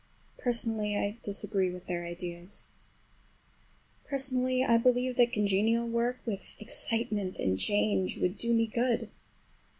Personally, I disagree with their ideas. Personally, I believe that congenial work, with excitement and change, would do me good.